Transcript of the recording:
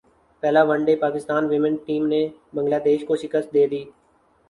پہلا one day Pakistan women team نے Bangladesh کو شکست دے دی